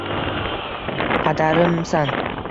Padarimsan